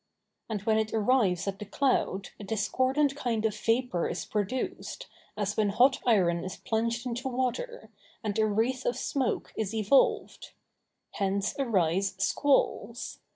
And when it arrives at the cloud, a discordant kind of vapor is produced, as when hot iron is plunged into water, and a wreath of smoke is evolved. Hence arise squalls.